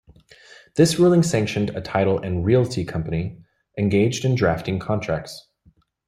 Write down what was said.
This ruling sanctioned a title and realty company engaged in drafting contracts.